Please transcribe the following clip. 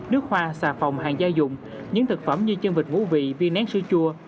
nước hoa xà phòng hàng gia dụng những thực phẩm như chân vịt vũ vị viên nén sữa chua